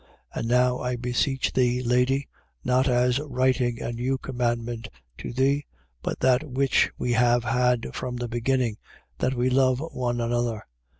1:5. And now I beseech thee, lady, not as writing a new commandment to thee, but that which we have had from the beginning, that we love one another.